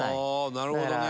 なるほどね！